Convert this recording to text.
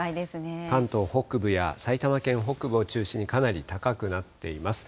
関東北部や埼玉県北部を中心に、かなり高くなっています。